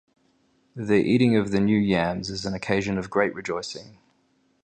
The eating of the new yams is an occasion of great rejoicing.